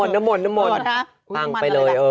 น้ำมนต์ต่างไปเลย